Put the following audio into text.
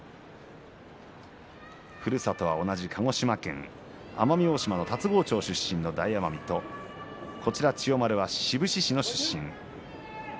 ふるさとは同じ鹿児島県奄美大島の龍郷町出身の大奄美と千代丸は志布志市の出身です。